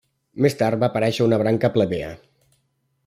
Més tard va aparèixer una branca plebea.